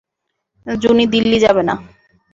জুনি দীল্লি যাবে না।